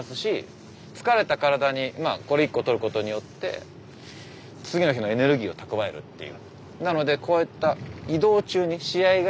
これ１個とることによって次の日のエネルギーを蓄えるっていう。